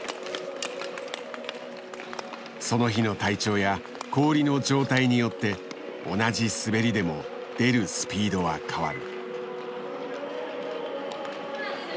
その日の体調や氷の状態によって同じ滑りでも出るスピードは変わる。